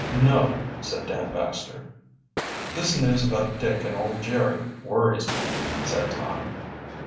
"No," said Dan Baxter. "This news about Dick and old Jerry worries me," said Tom.